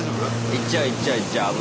行っちゃう行っちゃう行っちゃう。